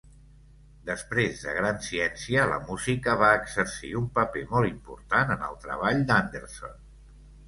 Després de "Gran Ciència", la música va exercir un paper molt important en el treball d'Anderson.